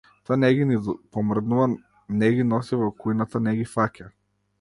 Тој не ги ни помрднува, не ги носи во кујната, не ги фаќа.